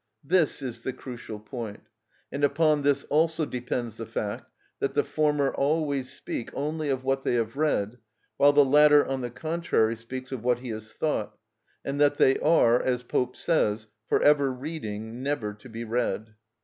This is the crucial point. And upon this also depends the fact that the former always speak only of what they have read, while the latter, on the contrary, speaks of what he has thought, and that they are, as Pope says: "For ever reading, never to be read."